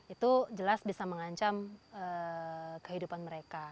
itu jelas bisa mengancam kehidupan mereka